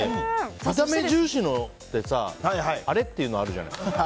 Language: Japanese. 見た目重視のってあれ？っていうのあるじゃない。